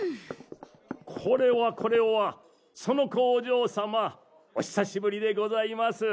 これはこれは園子お嬢様お久しぶりでございます。